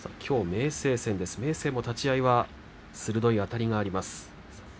明生も立ち合いは鋭いあたりがあります。